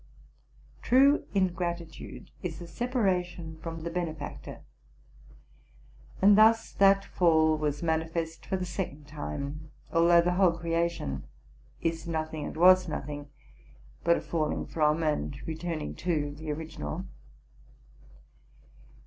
True ingratitude is the separation from the benefactor ; and thus that fall was manifest for the second time, although the whole creation is nothing and was nothing but a fe Wing from and returning to the original.